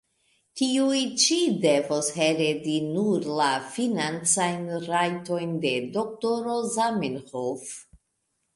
Tiuj ĉi devos heredi nur la financajn rajtojn de Dro Zamenhof.